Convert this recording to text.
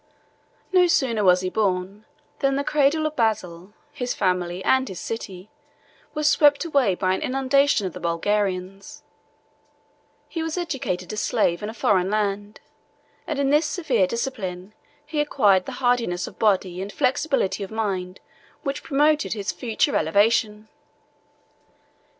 No sooner was he born, than the cradle of Basil, his family, and his city, were swept away by an inundation of the Bulgarians: he was educated a slave in a foreign land; and in this severe discipline, he acquired the hardiness of body and flexibility of mind which promoted his future elevation.